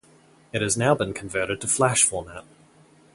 It has now been converted to Flash format.